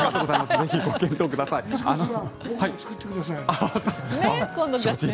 ぜひご検討ください。